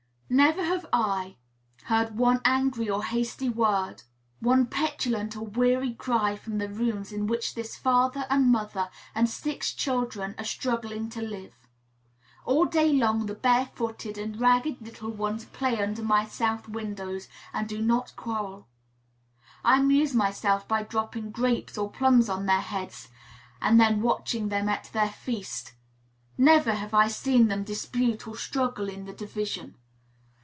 Never have I, heard one angry or hasty word, one petulant or weary cry from the rooms in which this father and mother and six children are struggling to live. All day long the barefooted and ragged little ones play under my south windows, and do not quarrel. I amuse myself by dropping grapes or plums on their heads, and then watching them at their feast; never have I seen them dispute or struggle in the division.